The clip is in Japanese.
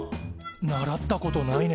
習ったことないね。